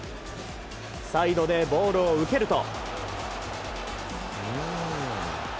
サイドでボールを受けると。